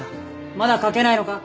まだ書けないのか？